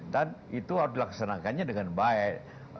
dan itu harus dilaksanakannya dengan baik